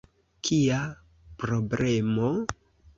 Kia problemo?